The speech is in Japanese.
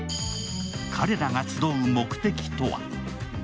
彼らが集う目的とは？